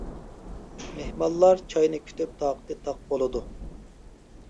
مېھمانلار چاينى كۈتۈپ تاقىتى تاق بولىدۇ.